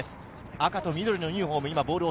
赤と緑のユニホーム。